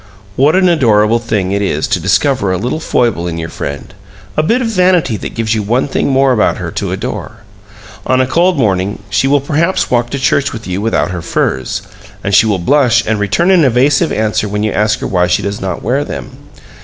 What an adorable thing it is to discover a little foible in your friend, a bit of vanity that gives you one thing more about her to adore! On a cold morning she will perhaps walk to church with you without her furs, and she will blush and return an evasive answer when you ask her why she does not wear them.